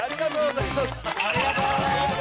ありがとうございます。